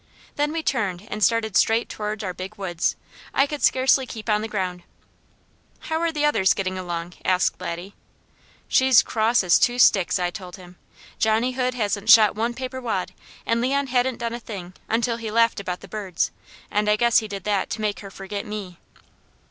Then we turned and started straight toward our Big Woods. I could scarcely keep on the ground. "How are the others getting along?" asked Laddie. "She's cross as two sticks," I told him. "Johnny Hood hasn't shot one paper wad, and Leon hadn't done a thing until he laughed about the birds, and I guess he did that to make her forget me."